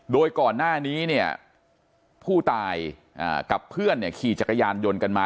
โดยก่อนหน้านี้เนี่ยผู้ตายกับเพื่อนเนี่ยขี่จักรยานยนต์กันมา